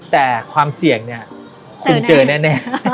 แต่ความเสี่ยงเนี่ยคุณเจอแน่